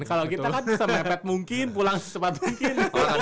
kalau kita kan se mepet mungkin pulang sesempat mungkin